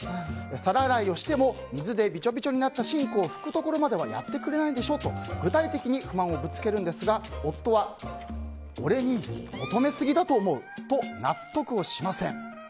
皿洗いをしても水でびちょびちょになったシンクを拭くところまではやってくれないでしょと具体的に不満をぶつけるんですが夫は、俺に求めすぎだと思うと納得をしません。